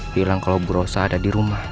bilang kalau bu rosa ada di rumah